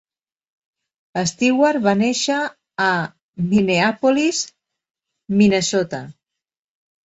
Stewart va néixer a Minneapolis, Minnesota.